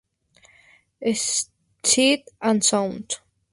Sight and Sound.